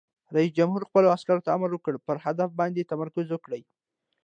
رئیس جمهور خپلو عسکرو ته امر وکړ؛ پر هدف باندې تمرکز وکړئ!